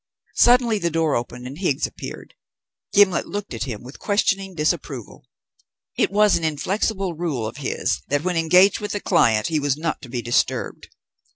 Suddenly the door opened and Higgs appeared. Gimblet looked at him with questioning disapproval. It was an inflexible rule of his that when engaged with a client he was not to be disturbed.